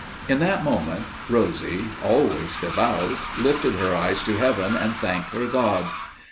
In that moment, Rosie, always devout, lifted her eyes to heaven and thanked her God.